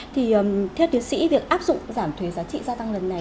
thì theo tiến sĩ việc áp dụng giảm thuế giá trị gia tăng lần này